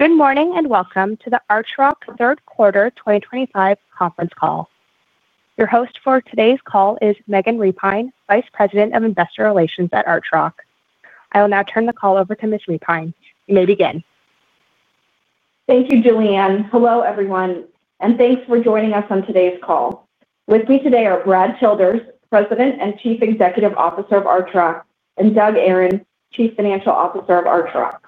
Good morning and welcome to the Archrock third quarter 2025 conference call. Your host for today's call is Megan Repine, Vice President of Investor Relations at Archrock. I will now turn the call over to Ms. Repine. You may begin. Thank you, Jillian. Hello, everyone, and thanks for joining us on today's call. With me today are Brad Childers, President and Chief Executive Officer of Archrock, and Doug Aron, Chief Financial Officer of Archrock.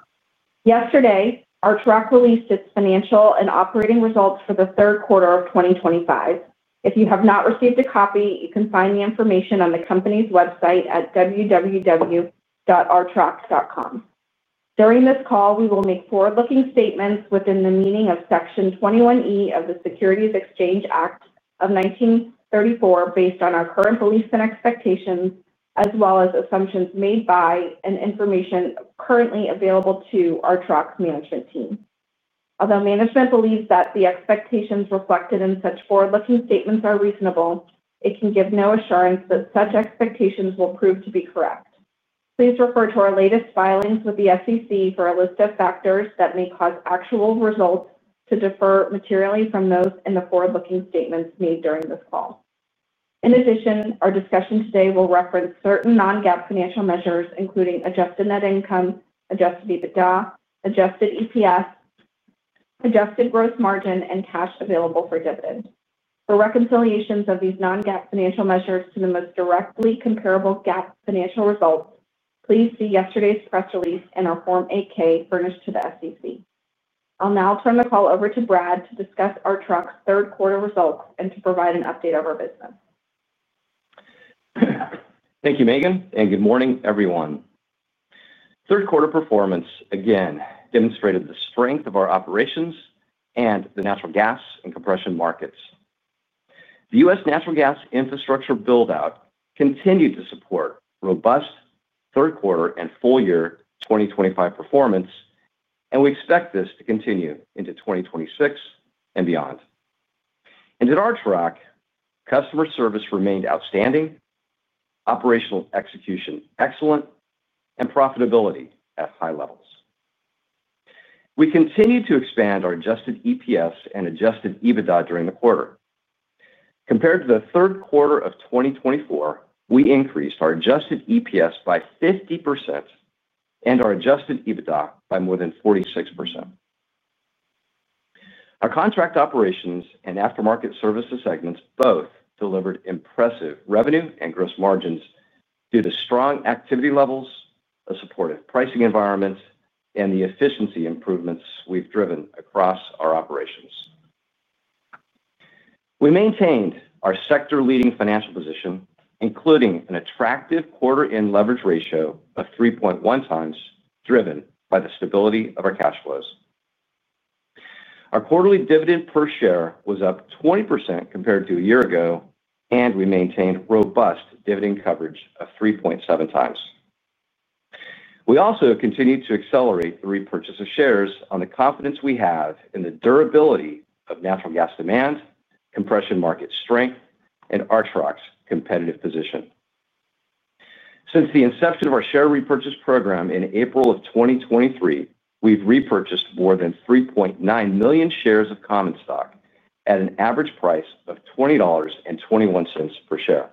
Yesterday, Archrock released its financial and operating results for the third quarter of 2025. If you have not received a copy, you can find the information on the company's website at www.archrock.com. During this call, we will make forward-looking statements within the meaning of Section 21E of the Securities Exchange Act of 1934 based on our current beliefs and expectations, as well as assumptions made by and information currently available to Archrock's management team. Although management believes that the expectations reflected in such forward-looking statements are reasonable, it can give no assurance that such expectations will prove to be correct. Please refer to our latest filings with the SEC for a list of factors that may cause actual results to differ materially from those in the forward-looking statements made during this call. In addition, our discussion today will reference certain non-GAAP financial measures, including adjusted net income, adjusted EBITDA, adjusted EPS, adjusted gross margin, and cash available for dividends. For reconciliations of these non-GAAP financial measures to the most directly comparable GAAP financial results, please see yesterday's press release in our Form 8-K furnished to the SEC. I'll now turn the call over to Brad to discuss Archrock's third quarter results and to provide an update of our business. Thank you, Megan, and good morning, everyone. Third quarter performance again demonstrated the strength of our operations and the natural gas and compression markets. The U.S. natural gas infrastructure buildout continued to support robust third quarter and full-year 2025 performance, and we expect this to continue into 2026 and beyond. At Archrock, customer service remained outstanding, operational execution excellent, and profitability at high levels. We continued to expand our adjusted EPS and adjusted EBITDA during the quarter. Compared to the third quarter of 2024, we increased our adjusted EPS by 50% and our adjusted EBITDA by more than 46%. Our contract operations and aftermarket services segments both delivered impressive revenue and gross margins due to strong activity levels, a supportive pricing environment, and the efficiency improvements we've driven across our operations. We maintained our sector-leading financial position, including an attractive quarter-end leverage ratio of 3.1x, driven by the stability of our cash flows. Our quarterly dividend per share was up 20% compared to a year ago, and we maintained robust dividend coverage of 3.7x. We also continued to accelerate the repurchase of shares on the confidence we have in the durability of natural gas demand, compression market strength, and Archrock's competitive position. Since the inception of our share repurchase program in April of 2023, we've repurchased more than 3.9 million shares of common stock at an average price of $20.21 per share.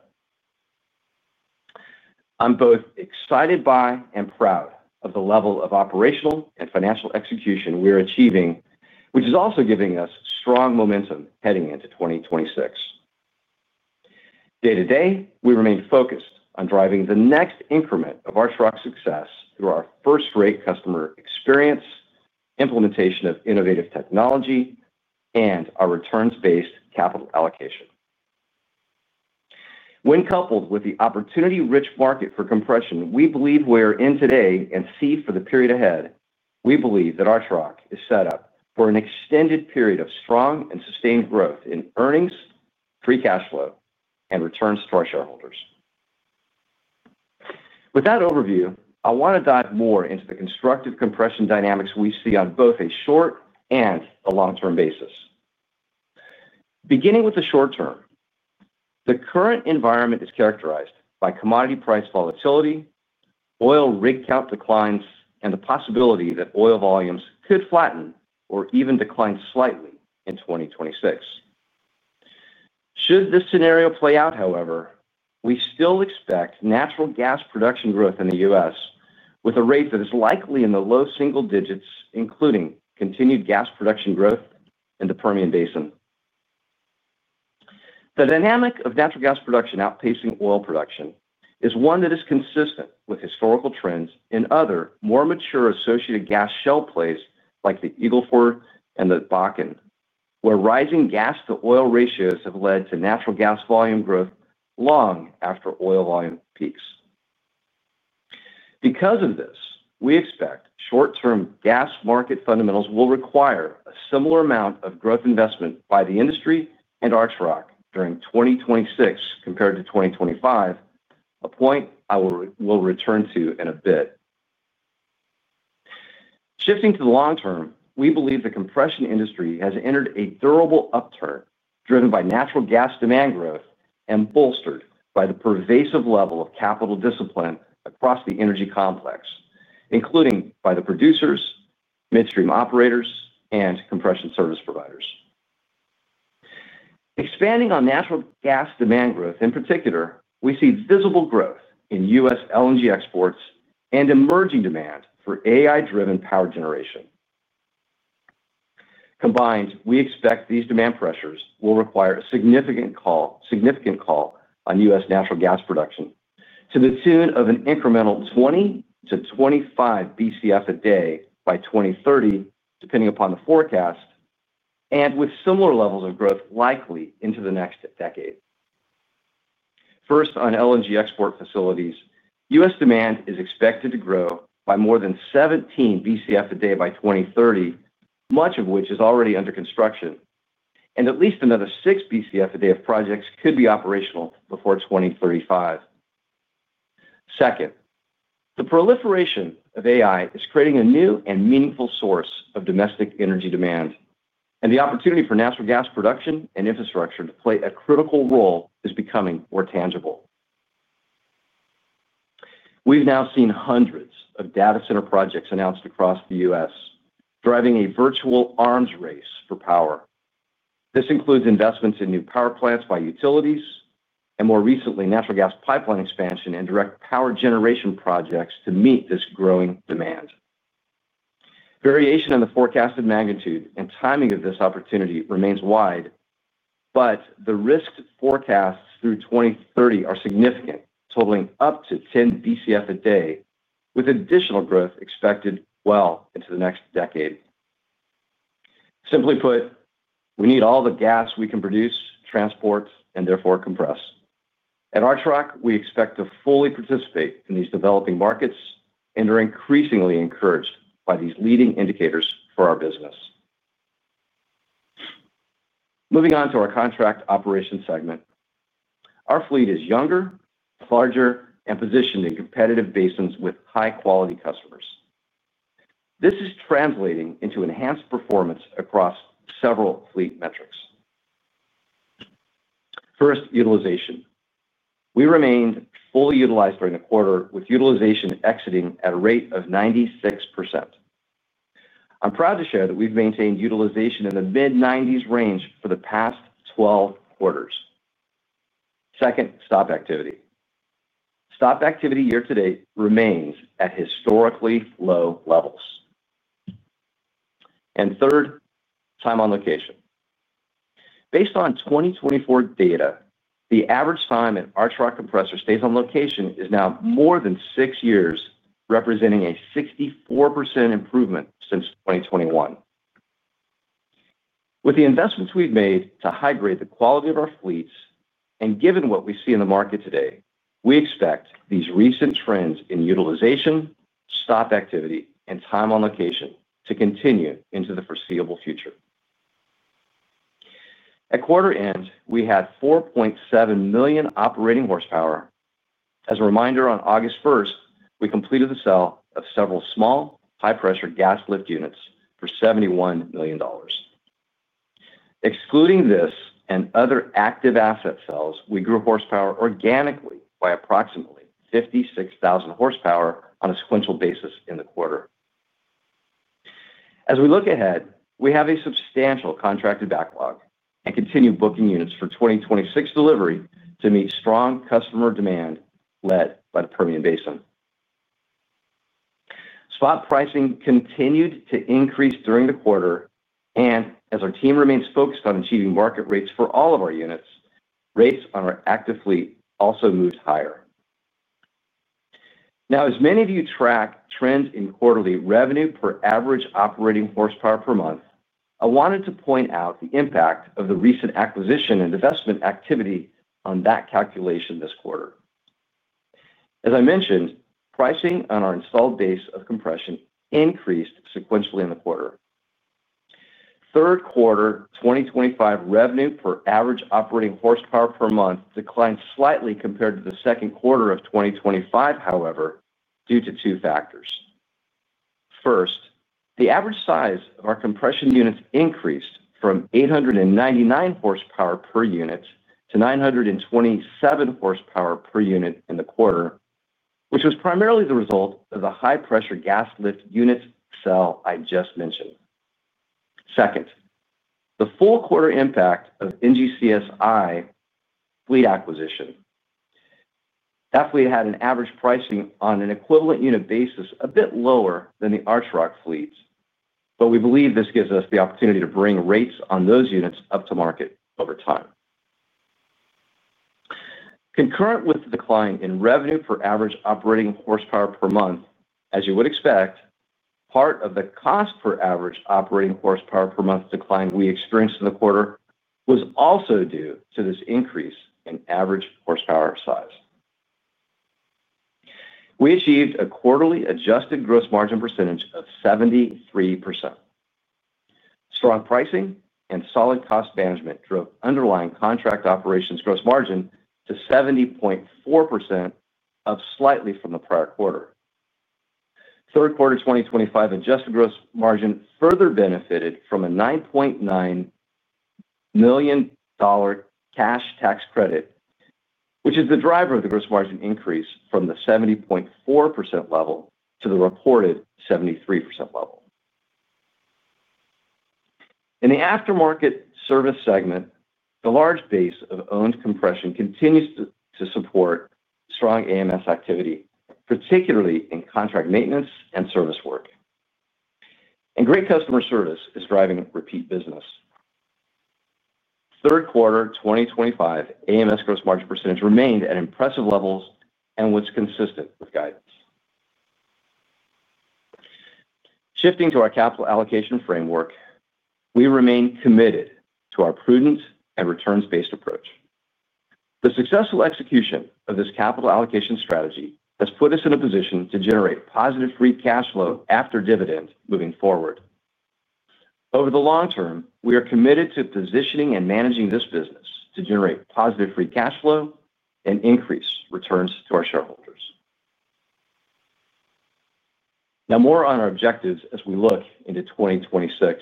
I'm both excited by and proud of the level of operational and financial execution we're achieving, which is also giving us strong momentum heading into 2026. Day to day, we remain focused on driving the next increment of Archrock's success through our first-rate customer experience, implementation of innovative technology, and our returns-based capital allocation. When coupled with the opportunity-rich market for compression, we believe we're in today and see for the period ahead. We believe that Archrock is set up for an extended period of strong and sustained growth in earnings, free cash flow, and returns to our shareholders. With that overview, I want to dive more into the constructive compression dynamics we see on both a short and a long-term basis. Beginning with the short term, the current environment is characterized by commodity price volatility, oil rig count declines, and the possibility that oil volumes could flatten or even decline slightly in 2026. Should this scenario play out, however, we still expect natural gas production growth in the U.S. with a rate that is likely in the low single digits, including continued gas production growth in the Permian Basin. The dynamic of natural gas production outpacing oil production is one that is consistent with historical trends in other more mature associated gas shale plays like the Eagle Ford and the Bakken, where rising gas-to-oil ratios have led to natural gas volume growth long after oil volume peaks. Because of this, we expect short-term gas market fundamentals will require a similar amount of growth investment by the industry and Archrock during 2026 compared to 2025, a point I will return to in a bit. Shifting to the long term, we believe the compression industry has entered a durable upturn driven by natural gas demand growth and bolstered by the pervasive level of capital discipline across the energy complex, including by the producers, midstream operators, and compression service providers. Expanding on natural gas demand growth in particular, we see visible growth in U.S. LNG exports and emerging demand for AI-driven power generation. Combined, we expect these demand pressures will require a significant call on U.S. natural gas production to the tune of an incremental 20 BCF-25 BCF a day by 2030, depending upon the forecast, and with similar levels of growth likely into the next decade. First, on LNG export facilities, U.S. demand is expected to grow by more than 17 BCF a day by 2030, much of which is already under construction, and at least another 6 BCF a day of projects could be operational before 2035. Second, the proliferation of AI is creating a new and meaningful source of domestic energy demand, and the opportunity for natural gas production and infrastructure to play a critical role is becoming more tangible. We've now seen hundreds of data center projects announced across the U.S., driving a virtual arms race for power. This includes investments in new power plants by utilities and, more recently, natural gas pipeline expansion and direct power generation projects to meet this growing demand. Variation in the forecasted magnitude and timing of this opportunity remains wide, but the risk forecasts through 2030 are significant, totaling up to 10 BCF a day, with additional growth expected well into the next decade. Simply put, we need all the gas we can produce, transport, and therefore compress. At Archrock, we expect to fully participate in these developing markets and are increasingly encouraged by these leading indicators for our business. Moving on to our contract operations segment, our fleet is younger, larger, and positioned in competitive basins with high-quality customers. This is translating into enhanced performance across several fleet metrics. First, utilization. We remained fully utilized during the quarter, with utilization exiting at a rate of 96%. I'm proud to share that we've maintained utilization in the mid-90% range for the past 12 quarters. Second, stock activity. Stock activity year to date remains at historically low levels. Third, time on location. Based on 2024 data, the average time an Archrock compressor stays on location is now more than six years, representing a 64% improvement since 2021. With the investments we've made to high grade the quality of our fleets and given what we see in the market today, we expect these recent trends in utilization, stock activity, and time on location to continue into the foreseeable future. At quarter end, we had 4.7 million operating horsepower. As a reminder, on August 1st, we completed the sale of several small high-pressure gas lift units for $71 million. Excluding this and other active asset sales, we grew horsepower organically by approximately 56,000 horsepower on a sequential basis in the quarter. As we look ahead, we have a substantial contracted backlog and continue booking units for 2026 delivery to meet strong customer demand led by the Permian Basin. Spot pricing continued to increase during the quarter, and as our team remains focused on achieving market rates for all of our units, rates on our active fleet also moved higher. Now, as many of you track trends in quarterly revenue per average operating horsepower per month, I wanted to point out the impact of the recent acquisition and investment activity on that calculation this quarter. As I mentioned, pricing on our installed base of compression increased sequentially in the quarter. Third quarter 2025 revenue per average operating horsepower per month declined slightly compared to the second quarter of 2025, however, due to two factors. First, the average size of our compression units increased from 899 horsepower per unit to 927 horsepower per unit in the quarter, which was primarily the result of the high-pressure gas lift units sale I just mentioned. Second, the full quarter impact of NGCSI fleet acquisition. That fleet had an average pricing on an equivalent unit basis a bit lower than the Archrock fleets, but we believe this gives us the opportunity to bring rates on those units up to market over time. Concurrent with the decline in revenue per average operating horsepower per month, as you would expect, part of the cost per average operating horsepower per month decline we experienced in the quarter was also due to this increase in average horsepower size. We achieved a quarterly adjusted gross margin percentage of 73%. Strong pricing and solid cost management drove underlying contract operations gross margin to 70.4%, up slightly from the prior quarter. Third quarter 2025 adjusted gross margin further benefited from a $9.9 million cash tax credit, which is the driver of the gross margin increase from the 70.4% level to the reported 73% level. In the aftermarket services segment, the large base of owned compression continues to support strong AMS activity, particularly in contract maintenance and service work. Great customer service is driving repeat business. Third quarter 2025 AMS gross margin percentage remained at impressive levels and was consistent with guidance. Shifting to our capital allocation framework, we remain committed to our prudent and returns-based approach. The successful execution of this capital allocation strategy has put us in a position to generate positive free cash flow after dividends moving forward. Over the long term, we are committed to positioning and managing this business to generate positive free cash flow and increase returns to our shareholders. Now, more on our objectives as we look into 2026.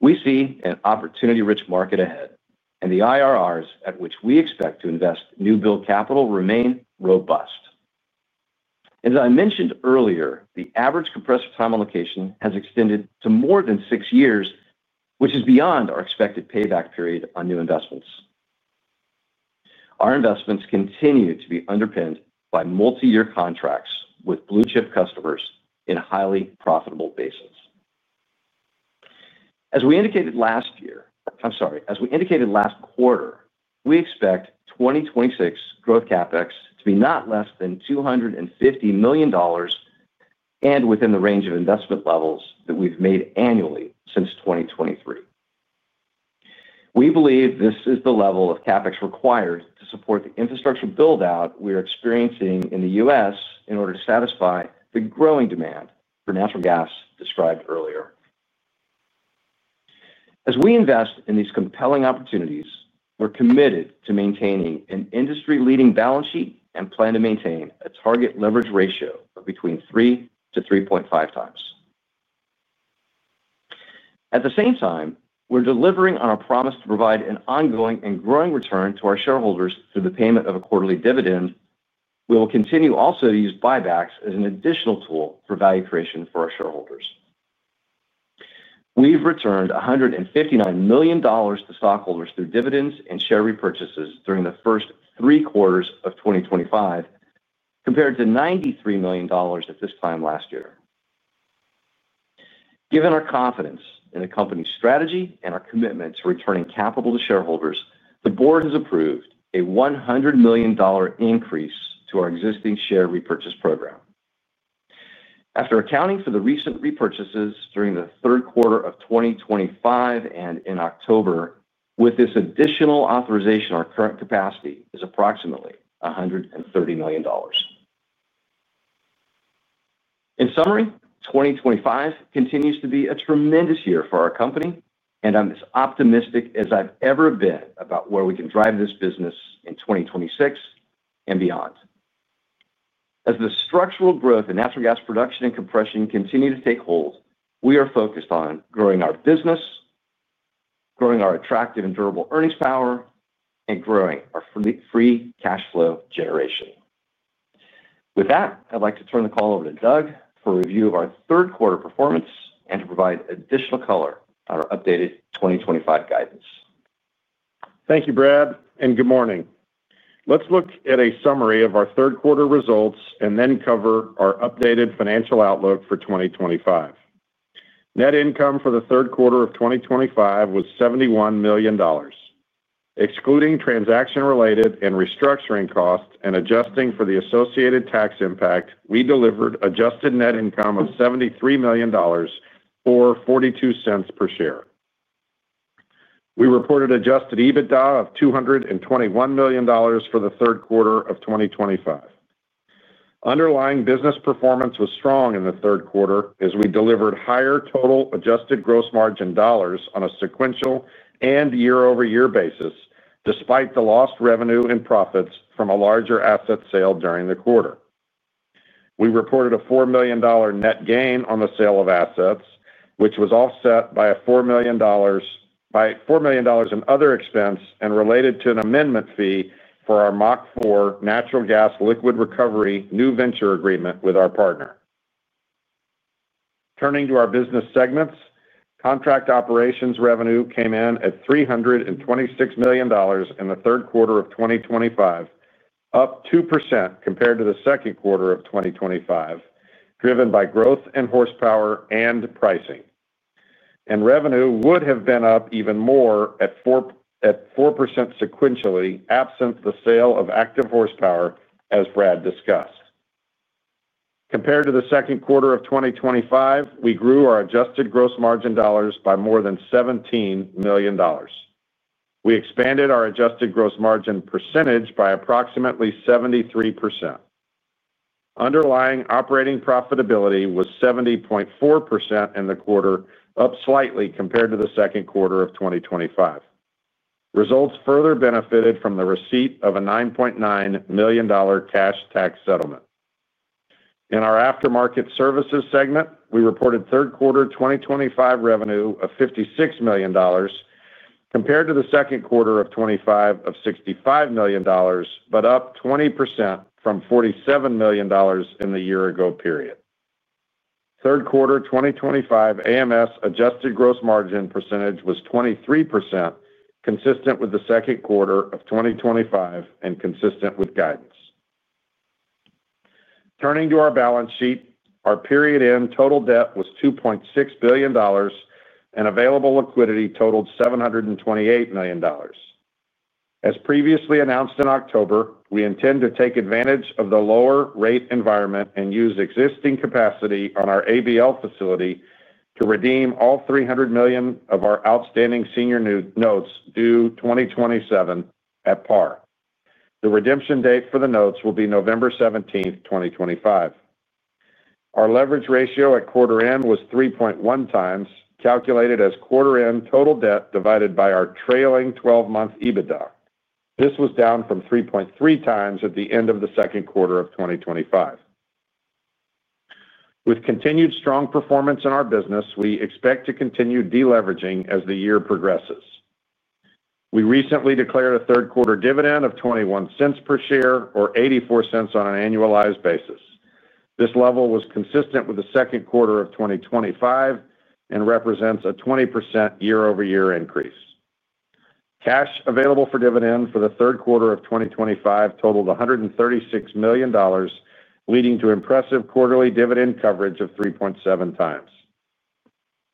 We see an opportunity-rich market ahead, and the IRRs at which we expect to invest new build capital remain robust. As I mentioned earlier, the average compressor time on location has extended to more than six years, which is beyond our expected payback period on new investments. Our investments continue to be underpinned by multi-year contracts with blue-chip customers in highly profitable basins. As we indicated last quarter, we expect 2026 growth CapEx to be not less than $250 million and within the range of investment levels that we've made annually since 2023. We believe this is the level of CapEx required to support the infrastructure buildout we are experiencing in the U.S. in order to satisfy the growing demand for natural gas described earlier. As we invest in these compelling opportunities, we're committed to maintaining an industry-leading balance sheet and plan to maintain a target leverage ratio of between 3x-3.5x. At the same time, we're delivering on our promise to provide an ongoing and growing return to our shareholders through the payment of a quarterly dividend. We will continue also to use buybacks as an additional tool for value creation for our shareholders. We've returned $159 million to stockholders through dividends and share repurchases during the first three quarters of 2025, compared to $93 million at this time last year. Given our confidence in the company's strategy and our commitment to returning capital to shareholders, the board has approved a $100 million increase to our existing share repurchase program. After accounting for the recent repurchases during the third quarter of 2025 and in October, with this additional authorization, our current capacity is approximately $130 million. In summary, 2025 continues to be a tremendous year for our company, and I'm as optimistic as I've ever been about where we can drive this business in 2026 and beyond. As the structural growth in natural gas production and compression continue to take hold, we are focused on growing our business, growing our attractive and durable earnings power, and growing our free cash flow generation. With that, I'd like to turn the call over to Doug for a review of our third quarter performance and to provide additional color on our updated 2025 guidance. Thank you, Brad, and good morning. Let's look at a summary of our third quarter results and then cover our updated financial outlook for 2025. Net income for the third quarter of 2025 was $71 million. Excluding transaction-related and restructuring costs and adjusting for the associated tax impact, we delivered adjusted net income of $73 million, $0.42 per share. We reported adjusted EBITDA of $221 million for the third quarter of 2025. Underlying business performance was strong in the third quarter as we delivered higher total adjusted gross margin dollars on a sequential and year-over-year basis, despite the lost revenue and profits from a larger asset sale during the quarter. We reported a $4 million net gain on the sale of assets, which was offset by $4 million in other expense and related to an amendment fee for our Mach 4 natural gas liquid recovery new venture agreement with our partner. Turning to our business segments, contract operations revenue came in at $326 million in the third quarter of 2025, up 2% compared to the second quarter of 2025, driven by growth in horsepower and pricing. Revenue would have been up even more at 4% sequentially absent the sale of active horsepower, as Brad discussed. Compared to the second quarter of 2025, we grew our adjusted gross margin dollars by more than $17 million. We expanded our adjusted gross margin percentage by approximately 73%. Underlying operating profitability was 70.4% in the quarter, up slightly compared to the second quarter of 2025. Results further benefited from the receipt of a $9.9 million cash tax settlement. In our aftermarket services segment, we reported third quarter 2025 revenue of $56 million, compared to the second quarter of 2025 of $65 million, but up 20% from $47 million in the year-ago period. Third quarter 2025 AMS adjusted gross margin percentage was 23%, consistent with the second quarter of 2025 and consistent with guidance. Turning to our balance sheet, our period-end total debt was $2.6 billion, and available liquidity totaled $728 million. As previously announced in October, we intend to take advantage of the lower rate environment and use existing capacity on our ABL facility to redeem all $300 million of our outstanding senior notes due 2027 at par. The redemption date for the notes will be November 17, 2025. Our leverage ratio at quarter end was 3.1x, calculated as quarter-end total debt divided by our trailing 12-month EBITDA. This was down from 3.3x at the end of the second quarter of 2025. With continued strong performance in our business, we expect to continue deleveraging as the year progresses. We recently declared a third quarter dividend of $0.21 per share, or $0.84 on an annualized basis. This level was consistent with the second quarter of 2025 and represents a 20% year-over-year increase. Cash available for dividend for the third quarter of 2025 totaled $136 million, leading to impressive quarterly dividend coverage of 3.7x.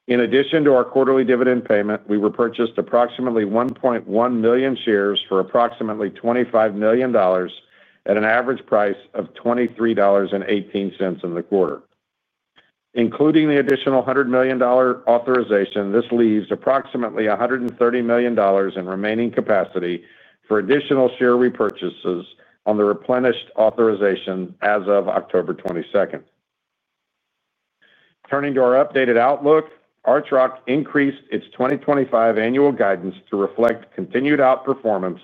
In addition to our quarterly dividend payment, we repurchased approximately 1.1 million shares for approximately $25 million at an average price of $23.18 in the quarter. Including the additional $100 million authorization, this leaves approximately $130 million in remaining capacity for additional share repurchases on the replenished authorization as of October 22. Turning to our updated outlook, Archrock increased its 2025 annual guidance to reflect continued outperformance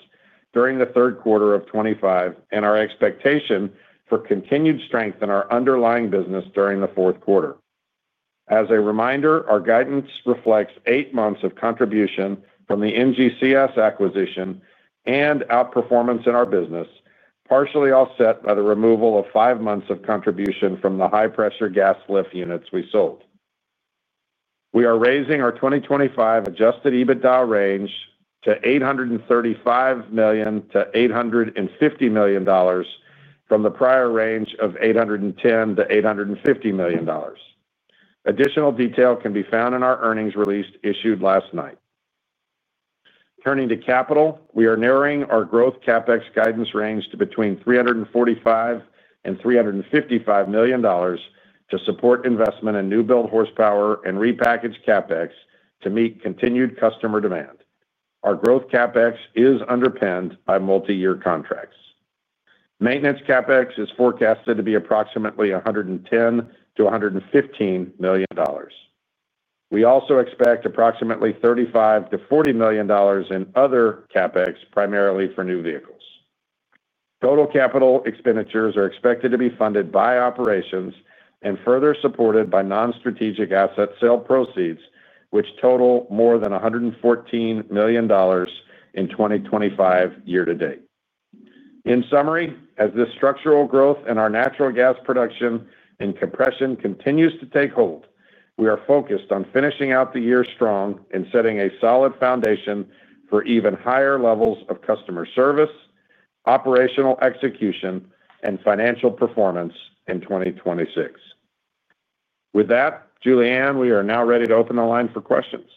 during the third quarter of 2025 and our expectation for continued strength in our underlying business during the fourth quarter. As a reminder, our guidance reflects eight months of contribution from the NGCS acquisition and outperformance in our business, partially offset by the removal of five months of contribution from the high-pressure gas lift units we sold. We are raising our 2025 adjusted EBITDA range to $835 million-$850 million from the prior range of $810 million-$850 million. Additional detail can be found in our earnings release issued last night. Turning to capital, we are narrowing our growth CapEx guidance range to between $345 million and $355 million to support investment in new build horsepower and repackaged CapEx to meet continued customer demand. Our growth CapEx is underpinned by multi-year contracts. Maintenance CapEx is forecasted to be approximately $110 million-$115 million. We also expect approximately $35 million-$40 million in other CapEx, primarily for new vehicles. Total capital expenditures are expected to be funded by operations and further supported by non-strategic asset sale proceeds, which total more than $114 million in 2025 year to date. In summary, as this structural growth in our natural gas production and compression continues to take hold, we are focused on finishing out the year strong and setting a solid foundation for even higher levels of customer service, operational execution, and financial performance in 2026. With that, Jillian, we are now ready to open the line for questions.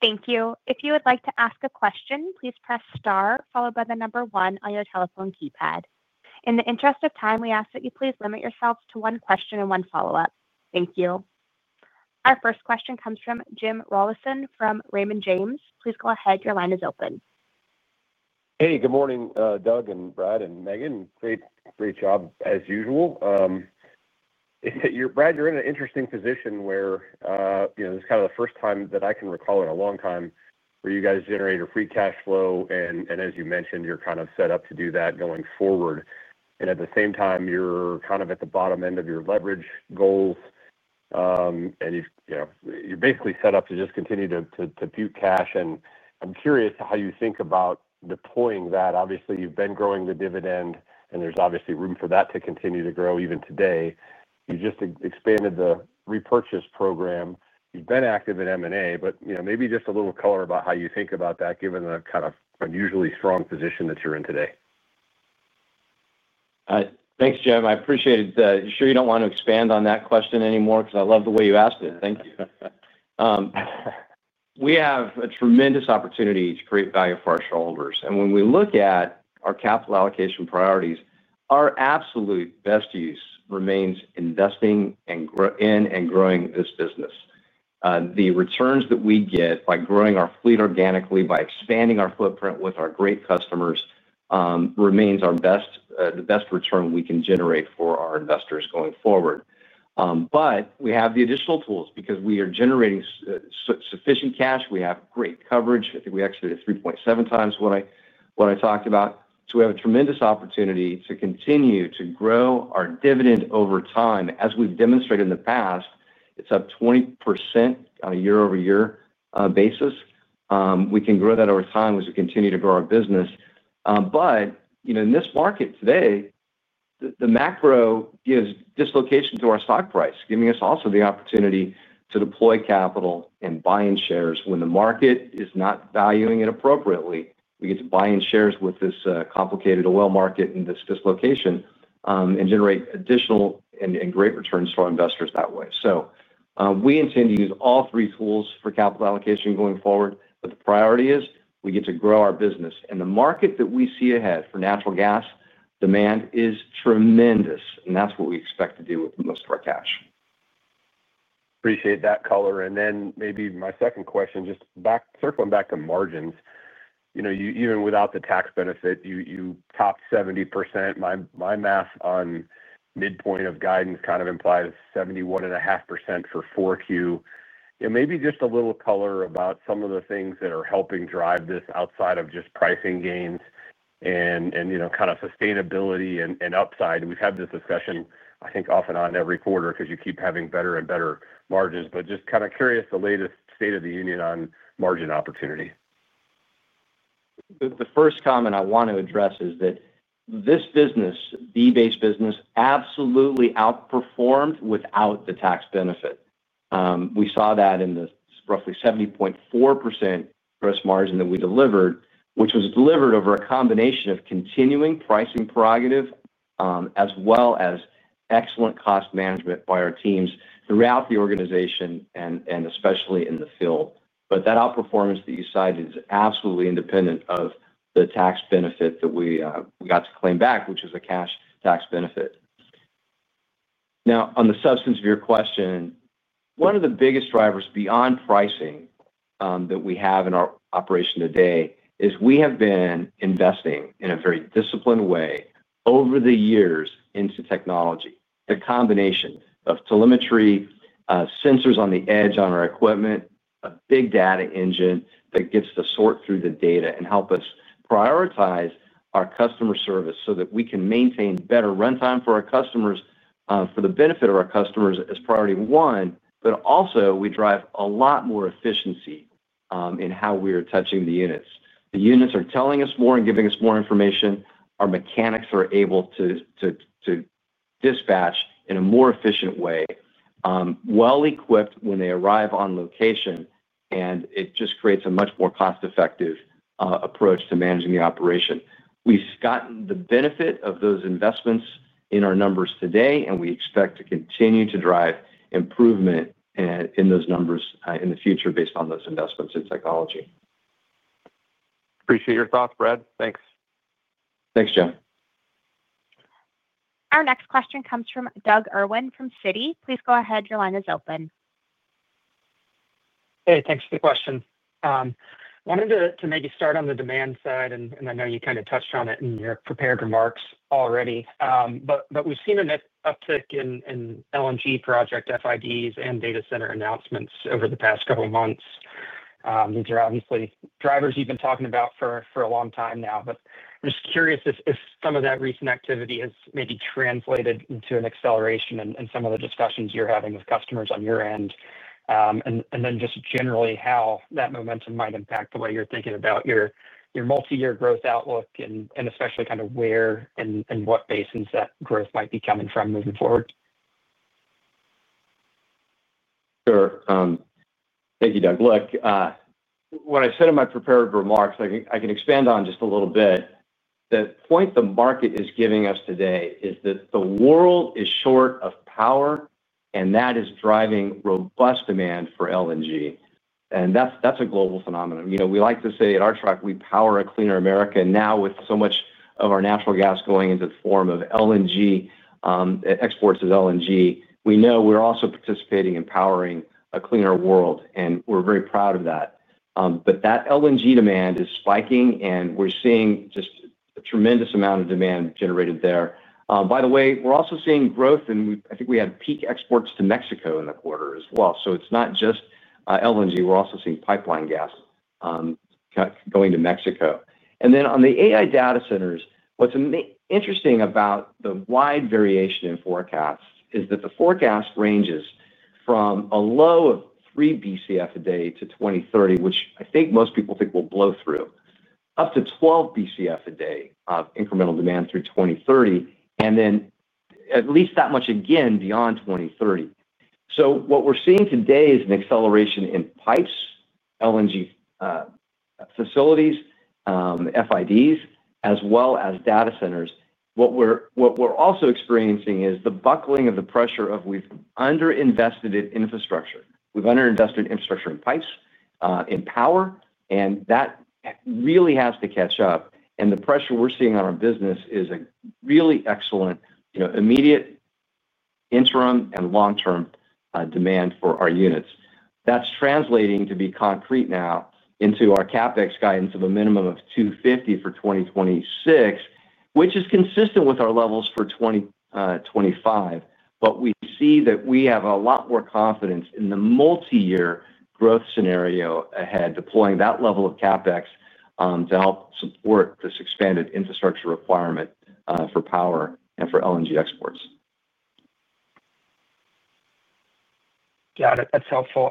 Thank you. If you would like to ask a question, please press star followed by the number one on your telephone keypad. In the interest of time, we ask that you please limit yourselves to one question and one follow-up. Thank you. Our first question comes from Jim Rollyson from Raymond James. Please go ahead. Your line is open. Hey, good morning, Doug and Brad and Megan. Great, great job as usual. Brad, you're in an interesting position where, you know, this is kind of the first time that I can recall in a long time where you guys generate free cash flow and, as you mentioned, you're kind of set up to do that going forward. At the same time, you're kind of at the bottom end of your leverage goals. You've, you know, you're basically set up to just continue to puke cash. I'm curious how you think about deploying that. Obviously, you've been growing the dividend, and there's obviously room for that to continue to grow even today. You just expanded the repurchase program. You've been active in M&A, but, you know, maybe just a little color about how you think about that given the kind of unusually strong position that you're in today. Thanks, Jim. I appreciate it. You sure you don't want to expand on that question anymore because I love the way you asked it. Thank you. We have a tremendous opportunity to create value for our shareholders. When we look at our capital allocation priorities, our absolute best use remains investing in and growing this business. The returns that we get by growing our fleet organically, by expanding our footprint with our great customers, remains our best, the best return we can generate for our investors going forward. We have the additional tools because we are generating sufficient cash. We have great coverage. I think we exited at 3.7x what I talked about. We have a tremendous opportunity to continue to grow our dividend over time. As we've demonstrated in the past, it's up 20% on a year-over-year basis. We can grow that over time as we continue to grow our business. In this market today, the macro gives dislocation to our stock price, giving us also the opportunity to deploy capital and buy in shares when the market is not valuing it appropriately. We get to buy in shares with this complicated oil market and this dislocation, and generate additional and great returns to our investors that way. We intend to use all three tools for capital allocation going forward, but the priority is we get to grow our business. The market that we see ahead for natural gas demand is tremendous, and that's what we expect to do with most of our cash. Appreciate that color. Maybe my second question, just circling back to margins, you know, even without the tax benefit, you topped 70%. My math on midpoint of guidance kind of implies 71.5% for 4Q. Maybe just a little color about some of the things that are helping drive this outside of just pricing gains and, you know, kind of sustainability and upside. We've had this discussion, I think, off and on every quarter because you keep having better and better margins, just kind of curious the latest state of the union on margin opportunity. The first comment I want to address is that this business, the base business, absolutely outperformed without the tax benefit. We saw that in the roughly 70.4% gross margin that we delivered, which was delivered over a combination of continuing pricing prerogative, as well as excellent cost management by our teams throughout the organization and especially in the field. That outperformance that you cited is absolutely independent of the tax benefit that we got to claim back, which is a cash tax benefit. Now, on the substance of your question, one of the biggest drivers beyond pricing that we have in our operation today is we have been investing in a very disciplined way over the years into technology. The combination of telemetry, sensors on the edge on our equipment, a big data engine that gets to sort through the data and help us prioritize our customer service so that we can maintain better runtime for our customers, for the benefit of our customers as priority one, but also we drive a lot more efficiency in how we are touching the units. The units are telling us more and giving us more information. Our mechanics are able to dispatch in a more efficient way, well-equipped when they arrive on location, and it just creates a much more cost-effective approach to managing the operation. We've gotten the benefit of those investments in our numbers today, and we expect to continue to drive improvement in those numbers in the future based on those investments in technology. Appreciate your thoughts, Brad. Thanks. Thanks, Jim. Our next question comes from Doug Irwin from Citi. Please go ahead. Your line is open. Hey, thanks for the question. I wanted to maybe start on the demand side, and I know you kind of touched on it in your prepared remarks already, but we've seen an uptick in LNG project FIDs and data center announcements over the past couple of months. These are obviously drivers you've been talking about for a long time now. I'm just curious if some of that recent activity has maybe translated into an acceleration in some of the discussions you're having with customers on your end, and then just generally how that momentum might impact the way you're thinking about your multi-year growth outlook and especially kind of where and what basins that growth might be coming from moving forward. Sure. Thank you, Doug. Look, what I said in my prepared remarks, I can expand on just a little bit. The point the market is giving us today is that the world is short of power, and that is driving robust demand for LNG. That's a global phenomenon. You know, we like to say at Archrock, we power a cleaner America now with so much of our natural gas going into the form of LNG, exports of LNG. We know we're also participating in powering a cleaner world, and we're very proud of that. That LNG demand is spiking, and we're seeing just a tremendous amount of demand generated there. By the way, we're also seeing growth, and I think we had peak exports to Mexico in the quarter as well. It's not just LNG. We're also seeing pipeline gas going to Mexico. On the AI data centers, what's interesting about the wide variation in forecasts is that the forecast ranges from a low of 3 BCF a day to 2030, which I think most people think will blow through, up to 12 BCF a day of incremental demand through 2030, and then at least that much again beyond 2030. What we're seeing today is an acceleration in pipes, LNG facilities, FIDs, as well as data centers. What we're also experiencing is the buckling of the pressure of we've underinvested in infrastructure. We've underinvested in infrastructure in pipes, in power, and that really has to catch up. The pressure we're seeing on our business is a really excellent, immediate interim and long-term demand for our units. That's translating to be concrete now into our CapEx guidance of a minimum of $250 million for 2026, which is consistent with our levels for 2025. We see that we have a lot more confidence in the multi-year growth scenario ahead, deploying that level of CapEx to help support this expanded infrastructure requirement for power and for LNG exports. Got it. That's helpful.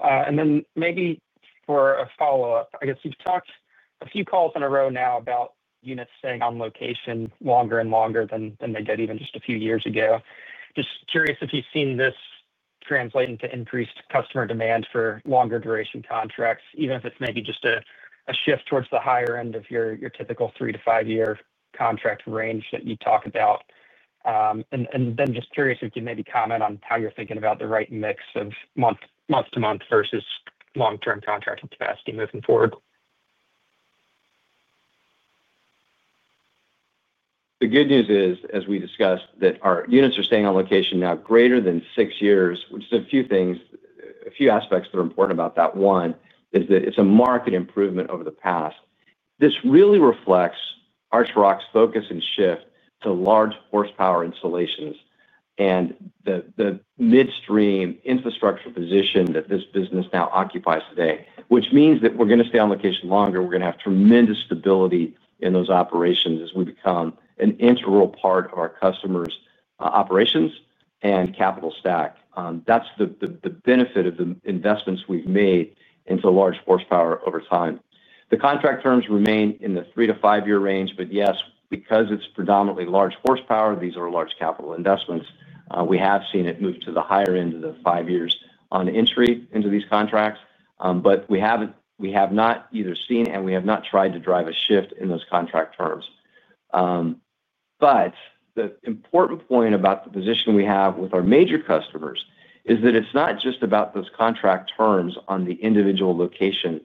Maybe for a follow-up, I guess you've talked a few calls in a row now about units staying on location longer and longer than they did even just a few years ago. Just curious if you've seen this translate into increased customer demand for longer duration contracts, even if it's maybe just a shift towards the higher end of your typical three to five-year contract range that you talk about. Just curious if you can maybe comment on how you're thinking about the right mix of month-to-month versus long-term contracting capacity moving forward. The good news is, as we discussed, that our units are staying on location now greater than six years, which is a few things, a few aspects that are important about that. One is that it's a marked improvement over the past. This really reflects Archrock's focus and shift to large horsepower installations and the midstream infrastructure position that this business now occupies today, which means that we're going to stay on location longer. We're going to have tremendous stability in those operations as we become an integral part of our customers' operations and capital stack. That's the benefit of the investments we've made into large horsepower over time. The contract terms remain in the three to five-year range, but yes, because it's predominantly large horsepower, these are large capital investments. We have seen it move to the higher end of the five years on entry into these contracts, but we have not either seen and we have not tried to drive a shift in those contract terms. The important point about the position we have with our major customers is that it's not just about those contract terms on the individual location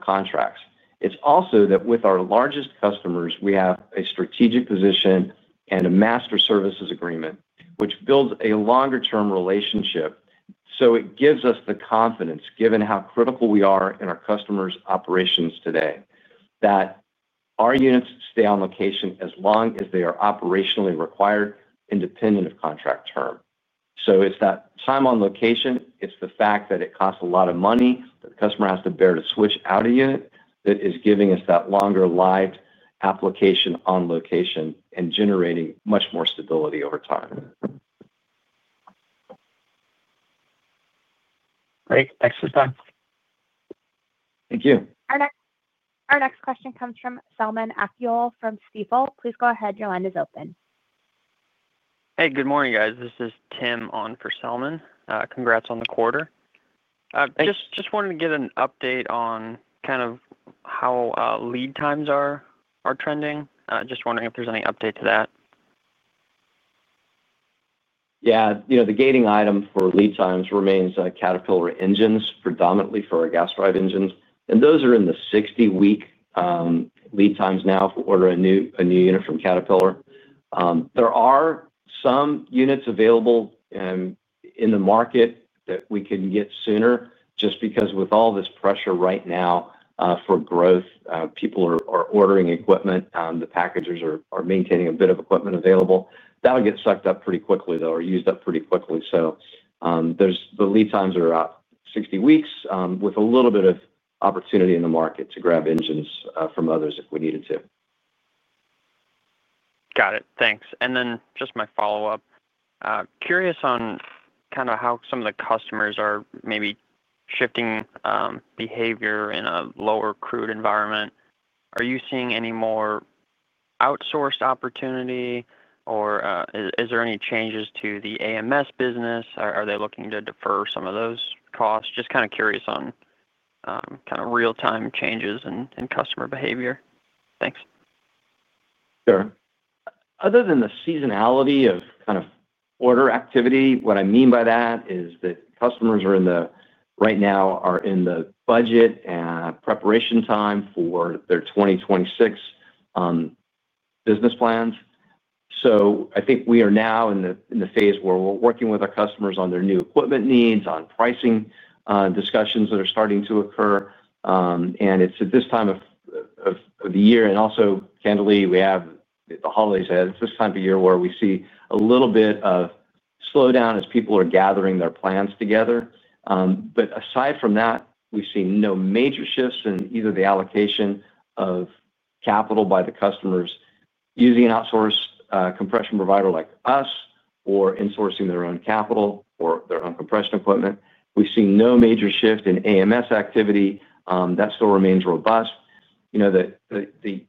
contracts. It's also that with our largest customers, we have a strategic position and a master services agreement, which builds a longer-term relationship. It gives us the confidence, given how critical we are in our customers' operations today, that our units stay on location as long as they are operationally required, independent of contract term. It's that time on location. It's the fact that it costs a lot of money that the customer has to bear to switch out a unit that is giving us that longer-lived application on location and generating much more stability over time. Great. Thanks for the time. Thank you. Our next question comes from Selman Akyol from Stifel. Please go ahead. Your line is open. Hey, good morning, guys. This is Tim on for Selman. Congrats on the quarter. Just wanted to get an update on kind of how lead times are trending. Just wondering if there's any update to that. Yeah, you know, the gating item for lead times remains Caterpillar engines, predominantly for our gas-drive engines. Those are in the 60-week lead times now if we order a new unit from Caterpillar. There are some units available in the market that we can get sooner just because with all this pressure right now for growth, people are ordering equipment. The packagers are maintaining a bit of equipment available. That'll get sucked up pretty quickly, though, or used up pretty quickly. The lead times are up 60 weeks with a little bit of opportunity in the market to grab engines from others if we needed to. Got it. Thanks. Just my follow-up. Curious on how some of the customers are maybe shifting behavior in a lower crude environment. Are you seeing any more outsourced opportunity, or is there any changes to the aftermarket services business? Are they looking to defer some of those costs? Just curious on real-time changes in customer behavior. Thanks. Sure. Other than the seasonality of kind of order activity, what I mean by that is that customers right now are in the budget and preparation time for their 2026 business plans. I think we are now in the phase where we're working with our customers on their new equipment needs, on pricing discussions that are starting to occur. It's at this time of the year. Also, candidly, we have the holidays ahead. It's this time of year where we see a little bit of slowdown as people are gathering their plans together. Aside from that, we've seen no major shifts in either the allocation of capital by the customers using an outsourced compression provider like us or insourcing their own capital or their own compression equipment. We've seen no major shift in aftermarket services activity. That still remains robust. The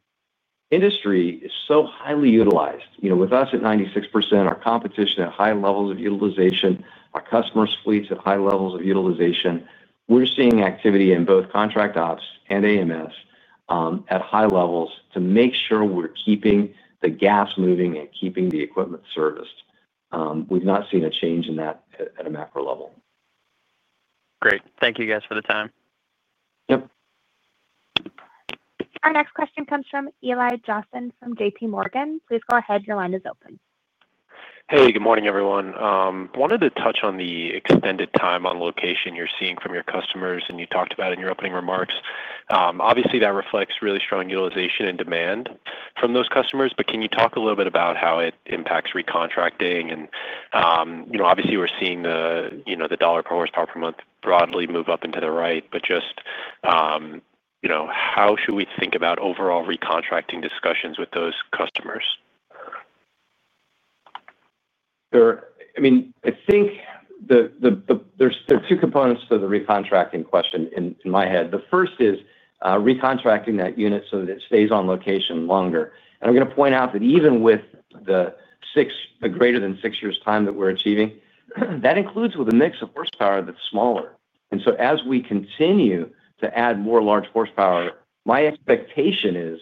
industry is so highly utilized. With us at 96%, our competition at high levels of utilization, our customers' fleets at high levels of utilization, we're seeing activity in both contract operations and aftermarket services at high levels to make sure we're keeping the gas moving and keeping the equipment serviced. We've not seen a change in that at a macro level. Great. Thank you, guys, for the time. Yep. Our next question comes from Eli Jossen from JPMorgan. Please go ahead. Your line is open. Hey, good morning, everyone. I wanted to touch on the extended time on location you're seeing from your customers, and you talked about it in your opening remarks. Obviously, that reflects really strong utilization and demand from those customers. Can you talk a little bit about how it impacts recontracting? Obviously, we're seeing the dollar per horsepower per month broadly move up and to the right, but just how should we think about overall recontracting discussions with those customers? Sure. I think there are two components to the recontracting question in my head. The first is recontracting that unit so that it stays on location longer. I'm going to point out that even with the six greater than six years' time that we're achieving, that includes a mix of horsepower that's smaller. As we continue to add more large horsepower, my expectation is,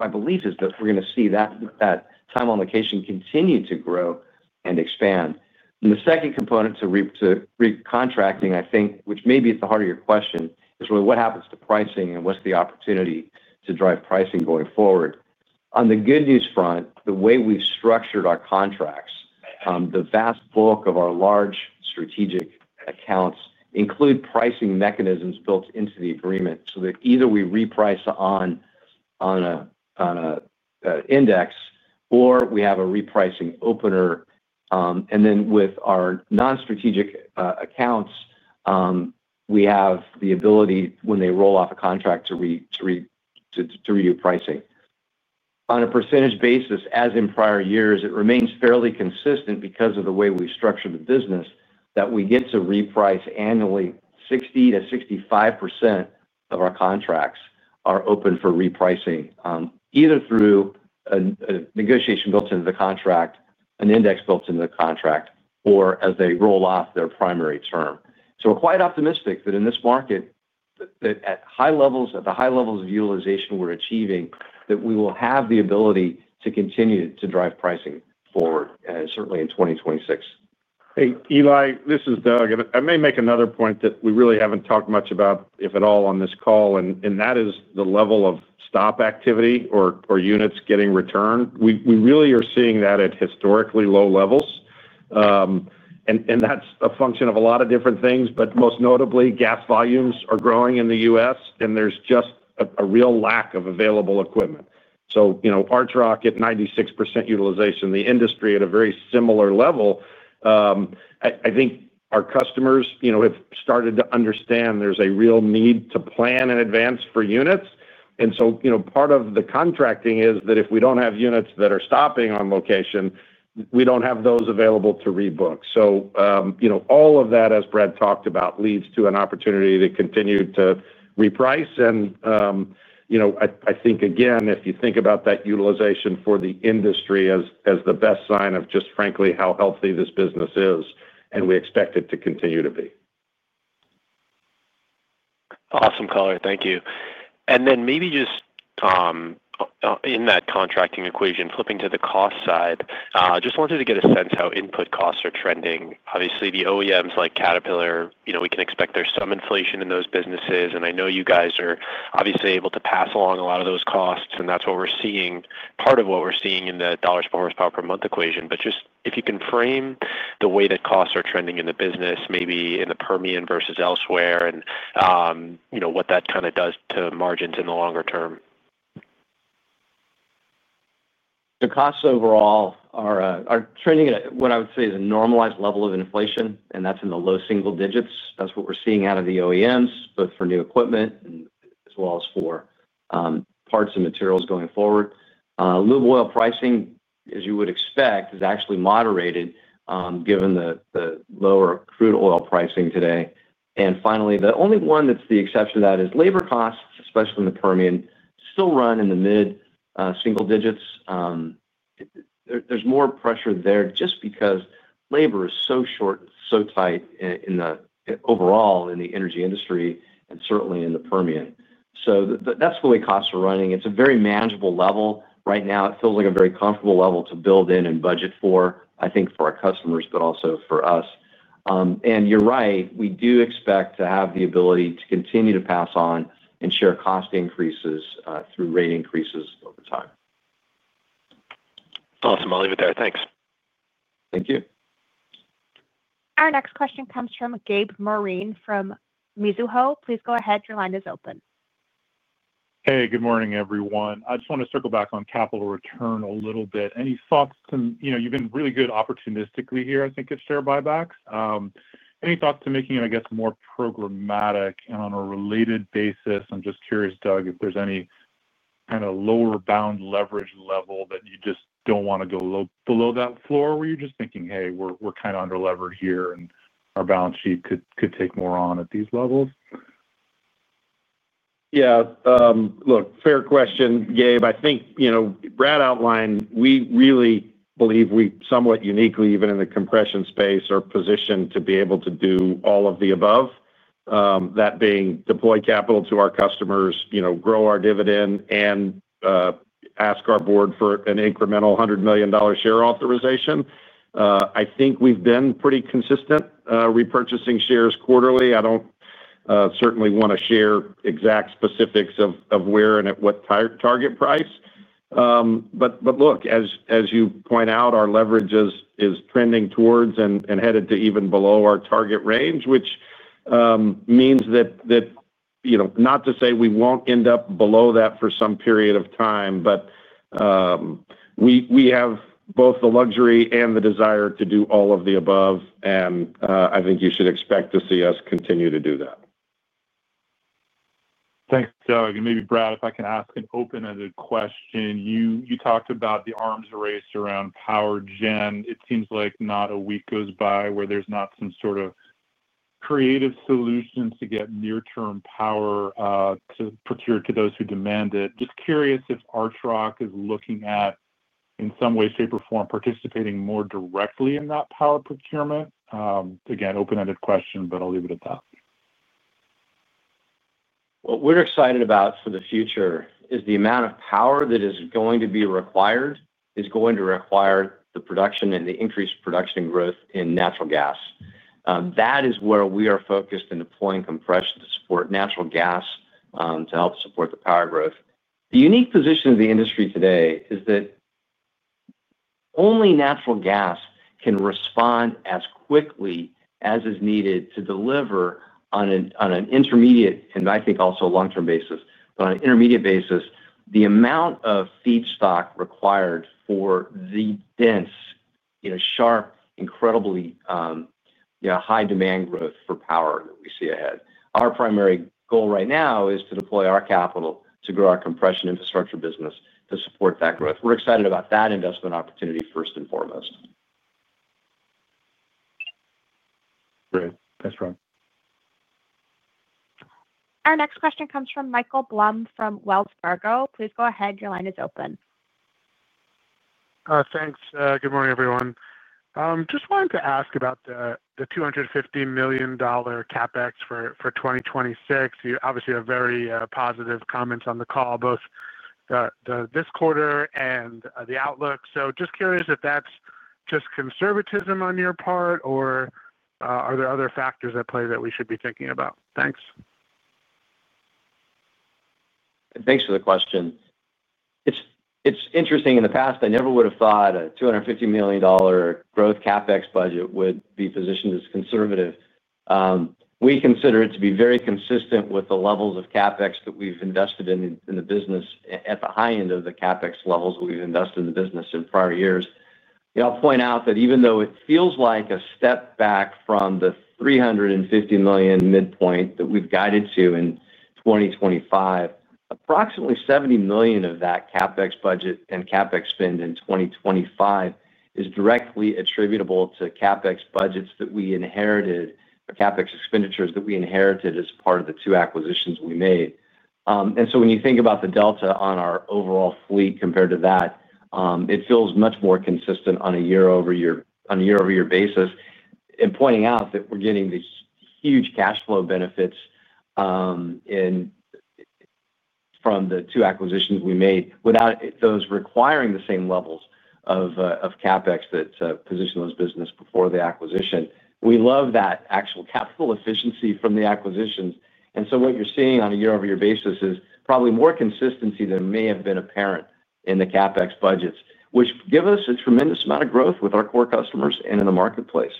my belief is that we're going to see that time on location continue to grow and expand. The second component to recontracting, which may be at the heart of your question, is really what happens to pricing and what's the opportunity to drive pricing going forward. On the good news front, the way we've structured our contracts, the vast bulk of our large strategic accounts include pricing mechanisms built into the agreement so that either we reprice on an index or we have a repricing opener. With our non-strategic accounts, we have the ability, when they roll off a contract, to redo pricing. On a percentage basis, as in prior years, it remains fairly consistent because of the way we structure the business that we get to reprice annually. 60%-65% of our contracts are open for repricing, either through a negotiation built into the contract, an index built into the contract, or as they roll off their primary term. We're quite optimistic that in this market, at the high levels of utilization we're achieving, we will have the ability to continue to drive pricing forward, certainly in 2026. Hey, Eli, this is Doug. I may make another point that we really haven't talked much about, if at all, on this call, and that is the level of stop activity or units getting returned. We really are seeing that at historically low levels. That's a function of a lot of different things, but most notably, gas volumes are growing in the U.S., and there's just a real lack of available equipment. Archrock at 96% utilization, the industry at a very similar level, I think our customers have started to understand there's a real need to plan in advance for units. Part of the contracting is that if we don't have units that are stopping on location, we don't have those available to rebook. All of that, as Brad talked about, leads to an opportunity to continue to reprice. I think, again, if you think about that utilization for the industry as the best sign of just, frankly, how healthy this business is, and we expect it to continue to be. Awesome color. Thank you. Maybe just in that contracting equation, flipping to the cost side, I just wanted to get a sense of how input costs are trending. Obviously, the OEMs like Caterpillar, you know, we can expect there's some inflation in those businesses. I know you guys are obviously able to pass along a lot of those costs, and that's what we're seeing, part of what we're seeing in the dollars per horsepower per month equation. If you can frame the way that costs are trending in the business, maybe in the Permian versus elsewhere, and what that kind of does to margins in the longer term. The costs overall are trending at what I would say is a normalized level of inflation, and that's in the low single digits. That's what we're seeing out of the OEMs, both for new equipment and as well as for parts and materials going forward. Lube oil pricing, as you would expect, is actually moderated, given the lower crude oil pricing today. Finally, the only one that's the exception to that is labor costs, especially in the Permian, still run in the mid-single digits. There's more pressure there just because labor is so short and so tight overall in the energy industry and certainly in the Permian. That's the way costs are running. It's a very manageable level. Right now, it feels like a very comfortable level to build in and budget for, I think, for our customers, but also for us. You're right, we do expect to have the ability to continue to pass on and share cost increases through rate increases over time. Awesome. I'll leave it there. Thanks. Thank you. Our next question comes from Gab Moreen from Mizuho. Please go ahead. Your line is open. Hey, good morning, everyone. I just want to circle back on capital return a little bit. Any thoughts to, you know, you've been really good opportunistically here, I think, at share buybacks. Any thoughts to making it, I guess, more programmatic and on a related basis? I'm just curious, Doug, if there's any kind of lower bound leverage level that you just don't want to go below, that floor where you're just thinking, "Hey, we're kind of under-leveraged here and our balance sheet could take more on at these levels. Yeah. Look, fair question, Gab. I think, you know, Brad outlined, we really believe we somewhat uniquely, even in the compression space, are positioned to be able to do all of the above, that being deploy capital to our customers, you know, grow our dividend, and ask our board for an incremental $100 million share authorization. I think we've been pretty consistent repurchasing shares quarterly. I don't certainly want to share exact specifics of where and at what target price. Look, as you point out, our leverage is trending towards and headed to even below our target range, which means that, you know, not to say we won't end up below that for some period of time, but we have both the luxury and the desire to do all of the above, and I think you should expect to see us continue to do that. Thanks, Doug. Maybe, Brad, if I can ask an open-ended question, you talked about the arms race around power gen. It seems like not a week goes by where there's not some sort of creative solution to get near-term power procured to those who demand it. Just curious if Archrock is looking at, in some way, shape, or form, participating more directly in that power procurement. Again, open-ended question, but I'll leave it at that. What we're excited about for the future is the amount of power that is going to be required is going to require the production and the increased production growth in natural gas. That is where we are focused in deploying compression to support natural gas to help support the power growth. The unique position of the industry today is that only natural gas can respond as quickly as is needed to deliver on an intermediate, and I think also a long-term basis, but on an intermediate basis, the amount of feedstock required for the dense, sharp, incredibly high-demand growth for power that we see ahead. Our primary goal right now is to deploy our capital to grow our compression infrastructure business to support that growth. We're excited about that investment opportunity first and foremost. Great. Thanks, Brad. Our next question comes from Michael Blum from Wells Fargo. Please go ahead. Your line is open. Thanks. Good morning, everyone. I just wanted to ask about the $250 million CapEx for 2026. You obviously have very positive comments on the call, both this quarter and the outlook. I'm just curious if that's just conservatism on your part, or are there other factors at play that we should be thinking about? Thanks. Thanks for the question. It's interesting. In the past, I never would have thought a $250 million growth CapEx budget would be positioned as conservative. We consider it to be very consistent with the levels of CapEx that we've invested in the business at the high end of the CapEx levels that we've invested in the business in prior years. I'll point out that even though it feels like a step back from the $350 million midpoint that we've guided to in 2025, approximately $70 million of that CapEx budget and CapEx spend in 2025 is directly attributable to CapEx budgets that we inherited or CapEx expenditures that we inherited as part of the two acquisitions we made. When you think about the delta on our overall fleet compared to that, it feels much more consistent on a year-over-year basis. Pointing out that we're getting these huge cash flow benefits from the two acquisitions we made without those requiring the same levels of CapEx that positioned those businesses before the acquisition. We love that actual capital efficiency from the acquisitions. What you're seeing on a year-over-year basis is probably more consistency than may have been apparent in the CapEx budgets, which give us a tremendous amount of growth with our core customers and in the marketplace.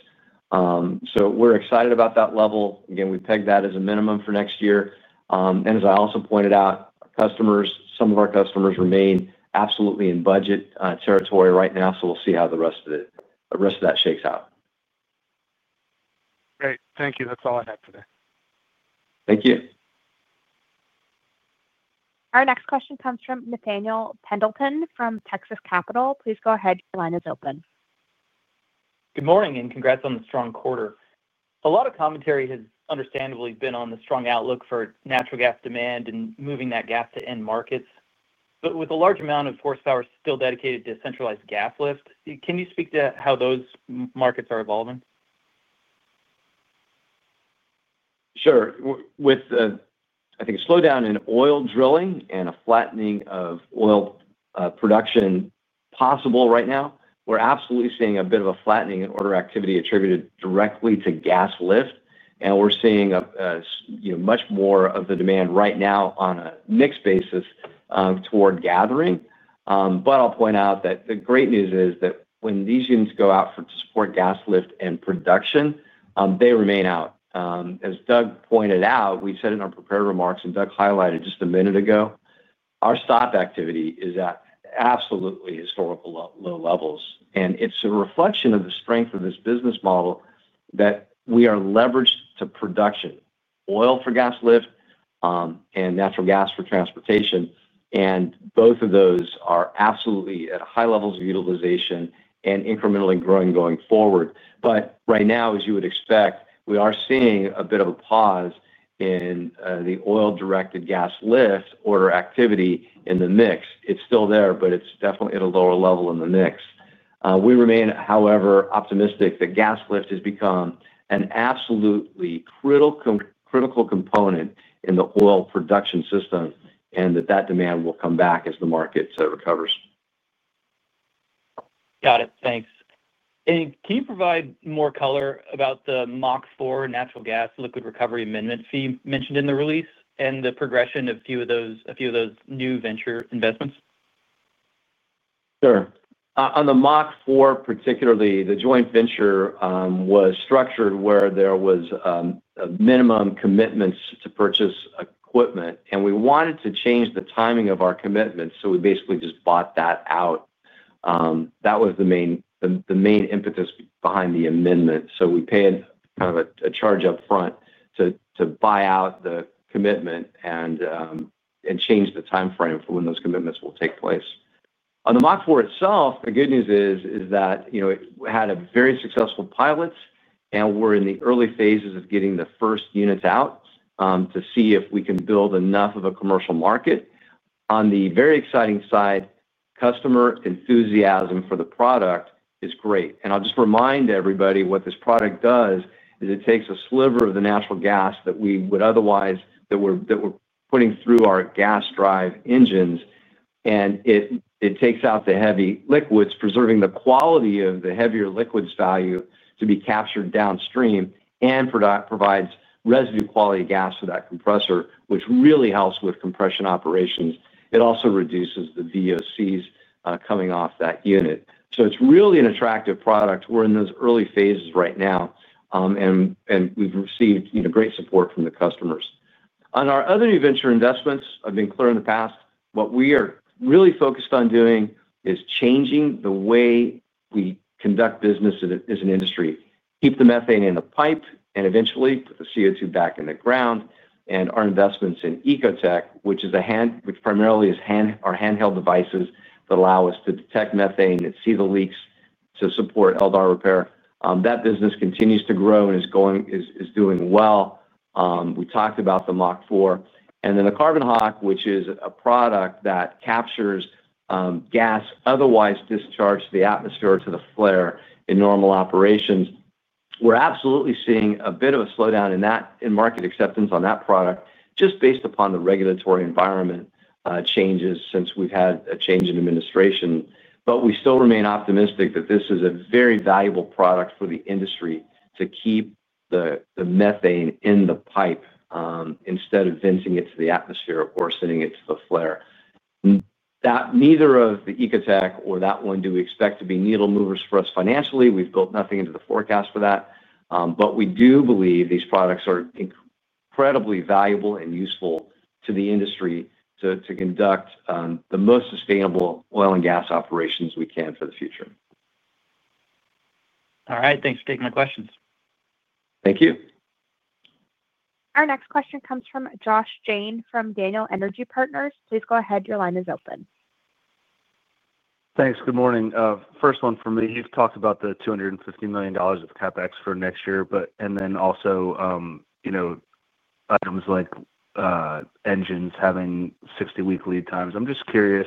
We're excited about that level. Again, we pegged that as a minimum for next year. As I also pointed out, some of our customers remain absolutely in budget territory right now, so we'll see how the rest of that shakes out. Great. Thank you. That's all I had today. Thank you. Our next question comes from Nathaniel Pendleton from Texas Capital. Please go ahead. Your line is open. Good morning, and congrats on the strong quarter. A lot of commentary has understandably been on the strong outlook for natural gas demand and moving that gas to end markets. With a large amount of horsepower still dedicated to centralized gas lift, can you speak to how those markets are evolving? Sure. With, I think, a slowdown in oil drilling and a flattening of oil production possible right now, we're absolutely seeing a bit of a flattening in order activity attributed directly to gas lift. We're seeing much more of the demand right now on a mixed basis toward gathering. The great news is that when these units go out to support gas lift and production, they remain out. As Doug pointed out, we said in our prepared remarks, and Doug highlighted just a minute ago, our stock activity is at absolutely historical low levels. It's a reflection of the strength of this business model that we are leveraged to production, oil for gas lift, and natural gas for transportation. Both of those are absolutely at high levels of utilization and incrementally growing going forward. Right now, as you would expect, we are seeing a bit of a pause in the oil-directed gas lift order activity in the mix. It's still there, but it's definitely at a lower level in the mix. We remain, however, optimistic that gas lift has become an absolutely critical component in the oil production system and that that demand will come back as the market recovers. Got it. Thanks. Can you provide more color about the Mach 4 natural gas liquid recovery amendment fee mentioned in the release and the progression of a few of those new venture investments? Sure. On the Mach 4 particularly, the joint venture was structured where there were minimum commitments to purchase equipment. We wanted to change the timing of our commitment, so we basically just bought that out. That was the main impetus behind the amendment. We paid kind of a charge upfront to buy out the commitment and change the timeframe for when those commitments will take place. On the Mach 4 itself, the good news is that it had a very successful pilot and we're in the early phases of getting the first units out to see if we can build enough of a commercial market. On the very exciting side, customer enthusiasm for the product is great. I'll just remind everybody what this product does is it takes a sliver of the natural gas that we would otherwise that we're putting through our gas-drive engines, and it takes out the heavy liquids, preserving the quality of the heavier liquids value to be captured downstream and provides residue quality gas for that compressor, which really helps with compression operations. It also reduces the VOCs coming off that unit. It's really an attractive product. We're in those early phases right now, and we've received great support from the customers. On our other new venture investments, I've been clear in the past, what we are really focused on doing is changing the way we conduct business as an industry, keep the methane in the pipe, and eventually put the CO2 back in the ground. Our investments in ECOTEC, which primarily is our handheld devices that allow us to detect methane and see the leaks to support LDAR repair, that business continues to grow and is doing well. We talked about the Mach 4. The Carbon Hawk, which is a product that captures gas otherwise discharged to the atmosphere to the flare in normal operations, we're absolutely seeing a bit of a slowdown in that in market acceptance on that product just based upon the regulatory environment changes since we've had a change in administration. We still remain optimistic that this is a very valuable product for the industry to keep the methane in the pipe instead of venting it to the atmosphere or sending it to the flare. Neither of the ECOTEC or that one do we expect to be needle movers for us financially. We've built nothing into the forecast for that. We do believe these products are incredibly valuable and useful to the industry to conduct the most sustainable oil and gas operations we can for the future. All right. Thanks for taking the questions. Thank you. Our next question comes from Josh Jayne from Daniel Energy Partners. Please go ahead. Your line is open. Thanks. Good morning. First one for me. You've talked about the $250 million of CapEx for next year, and then also, you know, items like engines having 60-week lead times. I'm just curious,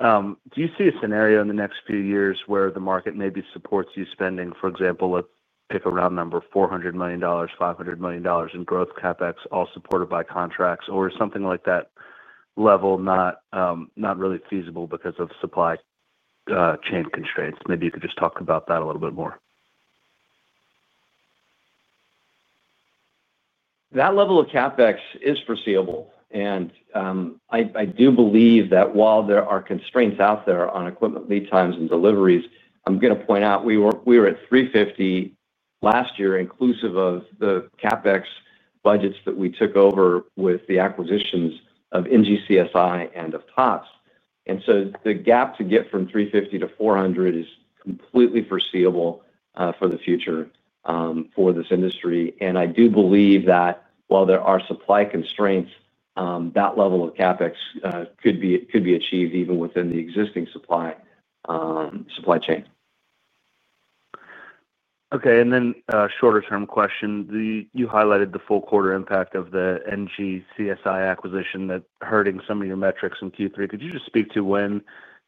do you see a scenario in the next few years where the market maybe supports you spending, for example, let's pick a round number, $400 million, $500 million in growth CapEx, all supported by contracts, or is something like that level not really feasible because of supply chain constraints? Maybe you could just talk about that a little bit more. That level of CapEx is foreseeable. I do believe that while there are constraints out there on equipment lead times and deliveries, I'm going to point out we were at $350 million last year, inclusive of the CapEx budgets that we took over with the acquisitions of NGCSI and of TOPS. The gap to get from $350 million to $400 million is completely foreseeable for the future for this industry. I do believe that while there are supply constraints, that level of CapEx could be achieved even within the existing supply chain. Okay. A shorter-term question. You highlighted the full quarter impact of the NGCSI acquisition that hurt some of your metrics in Q3. Could you just speak to when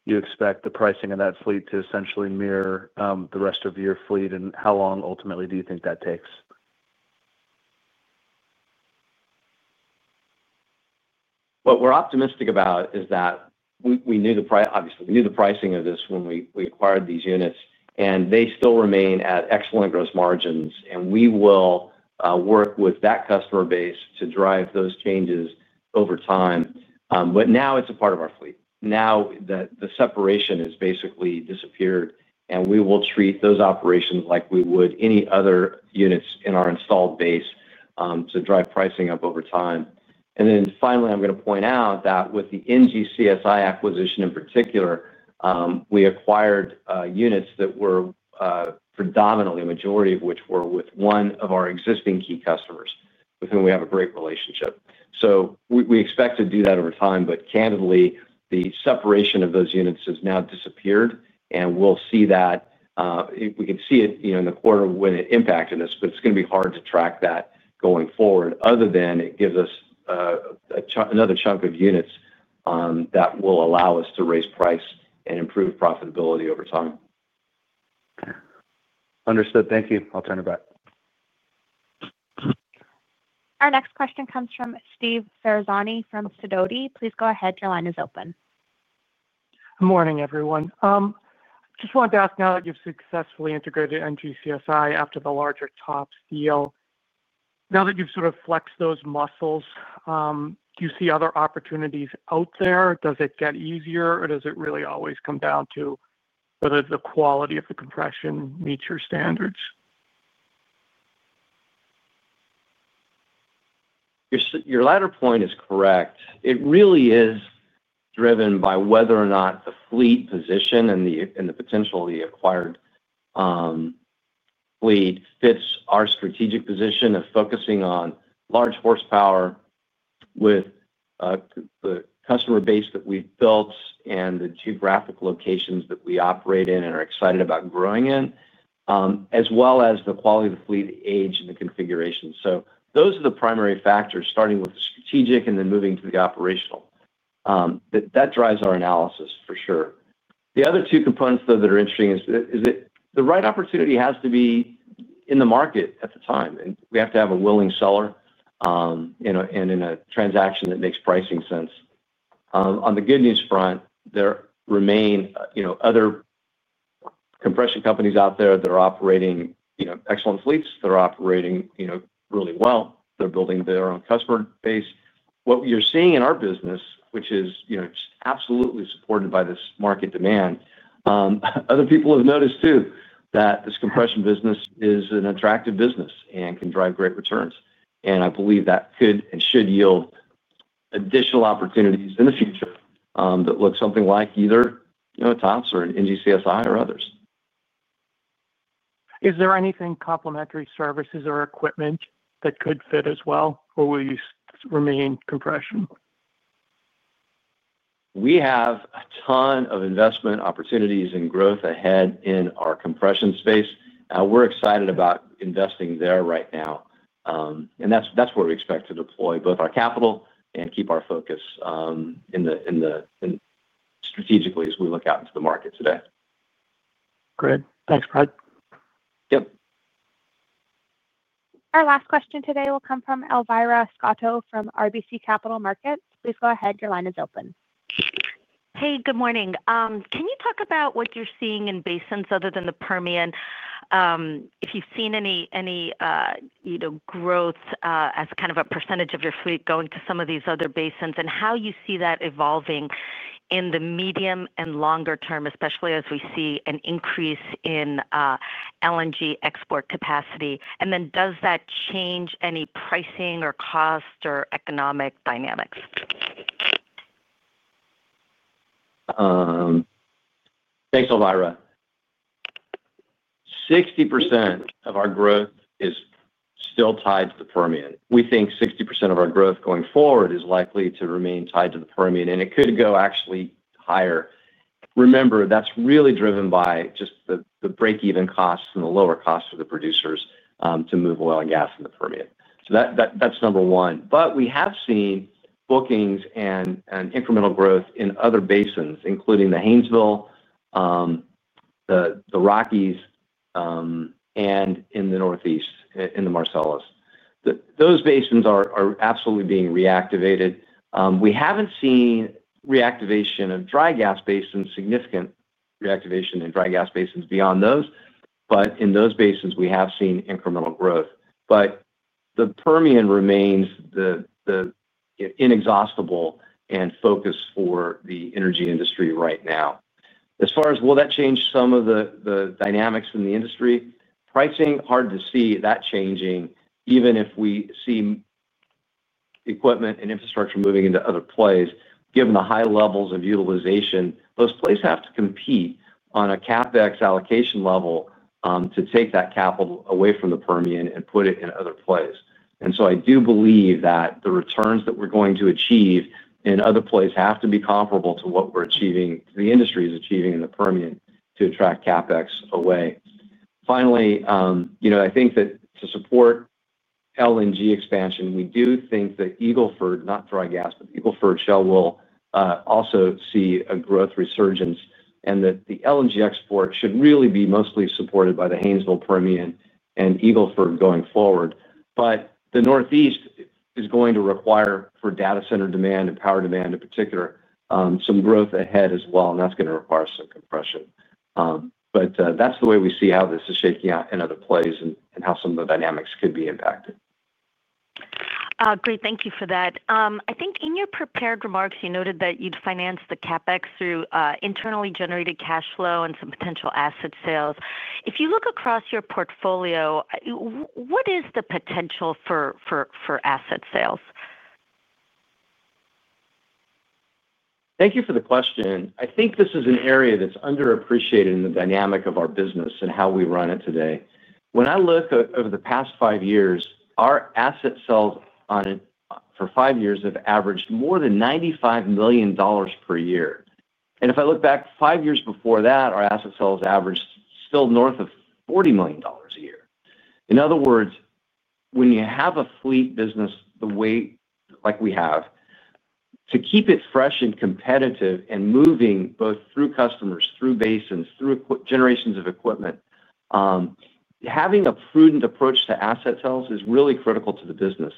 you expect the pricing of that fleet to essentially mirror the rest of your fleet and how long ultimately do you think that takes? What we're optimistic about is that we knew the price, obviously, we knew the pricing of this when we acquired these units, and they still remain at excellent gross margins. We will work with that customer base to drive those changes over time. Now it's a part of our fleet. The separation has basically disappeared, and we will treat those operations like we would any other units in our installed base to drive pricing up over time. Finally, I'm going to point out that with the NGCSI acquisition in particular, we acquired units that were predominantly, a majority of which were with one of our existing key customers with whom we have a great relationship. We expect to do that over time. Candidly, the separation of those units has now disappeared, and we'll see that. We can see it, you know, in the quarter when it impacted us, but it's going to be hard to track that going forward other than it gives us another chunk of units that will allow us to raise price and improve profitability over time. Understood. Thank you. I'll turn it back. Our next question comes from Steve Ferazani from Sidoti. Please go ahead. Your line is open. Morning, everyone. I just wanted to ask now that you've successfully integrated NGCSI after the larger TOPS deal, now that you've sort of flexed those muscles, do you see other opportunities out there? Does it get easier, or does it really always come down to whether the quality of the compression meets your standards? Your latter point is correct. It really is driven by whether or not the fleet position and the potential of the acquired fleet fits our strategic position of focusing on large horsepower with the customer base that we've built and the geographic locations that we operate in and are excited about growing in, as well as the quality of the fleet, age, and the configuration. Those are the primary factors, starting with the strategic and then moving to the operational. That drives our analysis for sure. The other two components that are interesting are that the right opportunity has to be in the market at the time, and we have to have a willing seller in a transaction that makes pricing sense. On the good news front, there remain other compression companies out there that are operating excellent fleets that are operating really well. They're building their own customer base. What you're seeing in our business, which is just absolutely supported by this market demand, other people have noticed too that this compression business is an attractive business and can drive great returns. I believe that could and should yield additional opportunities in the future that look something like either, you know, TOPS or NGCSI or others. Is there anything complementary services or equipment that could fit as well, or will you remain compression? We have a ton of investment opportunities and growth ahead in our compression space. We're excited about investing there right now. That is where we expect to deploy both our capital and keep our focus strategically as we look out into the market today. Great. Thanks, Brad. Yep. Our last question today will come from Elvira Scotto from RBC Capital Markets. Please go ahead. Your line is open. Hey, good morning. Can you talk about what you're seeing in basins other than the Permian? If you've seen any growth as kind of a percentage of your fleet going to some of these other basins and how you see that evolving in the medium and longer term, especially as we see an increase in LNG export capacity? Does that change any pricing or cost or economic dynamics? Thanks, Elvira. 60% of our growth is still tied to the Permian. We think 60% of our growth going forward is likely to remain tied to the Permian, and it could go actually higher. Remember, that's really driven by just the break-even costs and the lower costs for the producers to move oil and gas in the Permian. That's number one. We have seen bookings and incremental growth in other basins, including the Hainesville, the Rockies, and in the Northeast, in the Marcellus. Those basins are absolutely being reactivated. We haven't seen reactivation of dry gas basins, significant reactivation in dry gas basins beyond those, but in those basins, we have seen incremental growth. The Permian remains the inexhaustible and focus for the energy industry right now. As far as will that change some of the dynamics in the industry, pricing is hard to see that changing even if we see equipment and infrastructure moving into other plays. Given the high levels of utilization, those plays have to compete on a CapEx allocation level to take that capital away from the Permian and put it in other plays. I do believe that the returns that we're going to achieve in other plays have to be comparable to what we're achieving, the industry is achieving in the Permian to attract CapEx away. Finally, I think that to support LNG expansion, we do think that Eagleford, not dry gas, but Eagleford Shale will also see a growth resurgence and that the LNG export should really be mostly supported by the Hainesville, Permian, and Eagleford going forward. The Northeast is going to require for data center demand and power demand in particular some growth ahead as well, and that's going to require some compression. That's the way we see how this is shaking out in other plays and how some of the dynamics could be impacted. Great. Thank you for that. I think in your prepared remarks, you noted that you'd finance the CapEx through internally generated cash flow and some potential asset sales. If you look across your portfolio, what is the potential for asset sales? Thank you for the question. I think this is an area that's underappreciated in the dynamic of our business and how we run it today. When I look over the past five years, our asset sales on it for five years have averaged more than $95 million per year. If I look back five years before that, our asset sales averaged still north of $40 million a year. In other words, when you have a fleet business the way like we have, to keep it fresh and competitive and moving both through customers, through basins, through generations of equipment, having a prudent approach to asset sales is really critical to the business.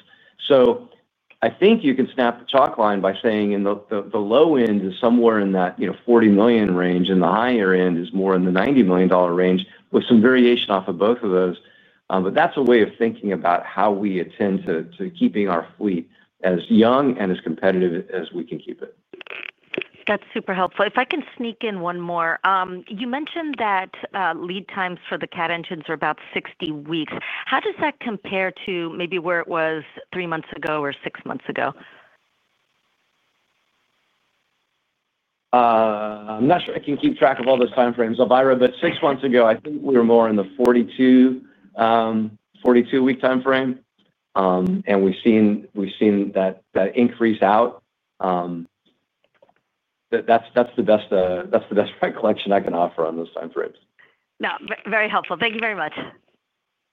I think you can snap the chalk line by saying the low end is somewhere in that $40 million range and the higher end is more in the $90 million range with some variation off of both of those. That's a way of thinking about how we attend to keeping our fleet as young and as competitive as we can keep it. That's super helpful. If I can sneak in one more, you mentioned that leadx for the Cat engines are about 60 weeks. How does that compare to maybe where it was three months ago or six months ago? I'm not sure I can keep track of all those timeframes, Elvira. Six months ago, I think we were more in the 42-week timeframe, and we've seen that increase out. That's the best recollection I can offer on those timeframes. No, very helpful. Thank you very much.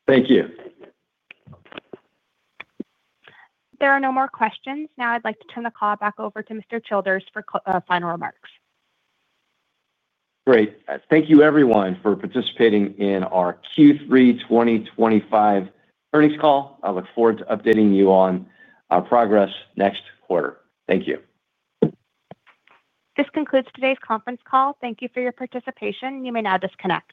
Thank you. There are no more questions. Now I'd like to turn the call back over to Mr. Childers for final remarks. Great. Thank you, everyone, for participating in our Q3 2025 earnings call. I look forward to updating you on our progress next quarter. Thank you. This concludes today's conference call. Thank you for your participation. You may now disconnect.